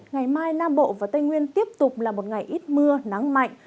ngày mai nam bộ và tây nguyên tiếp tục là một ngày ít mưa nắng mạnh